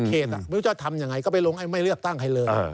เขตไม่รู้ชอบทำอย่างไรก็ไปลงไอ้ไม่เลือกตั้งใครเลย